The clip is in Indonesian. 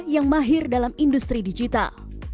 yang mahir dalam industri digital